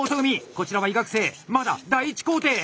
こちらは医学生まだ第１工程。